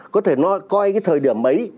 có thể coi cái thời điểm ấy